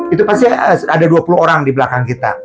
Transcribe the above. itu pasti ada dua puluh orang di belakang kita